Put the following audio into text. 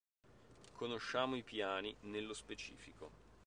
Conosciamo i piani nello specifico.